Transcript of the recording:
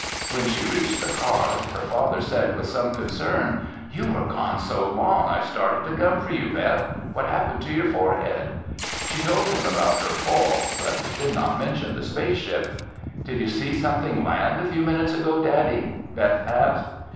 When she reached the car, her father said with some concern, "You were gone so long I started to come for you, Beth. What happened to your forehead?" She told him about her fall but did not mention the space ship. "Did you see something land a few minutes ago, Daddy?" Beth asked.